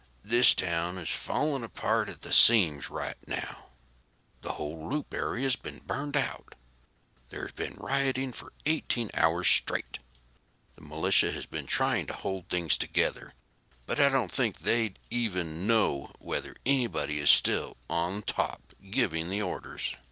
"This town is falling apart at the seams right now. The whole Loop area has been burned out. There's been rioting for 18 hours straight. The militia have been trying to hold things together, but I don't think they even know whether anybody is still on top giving the orders.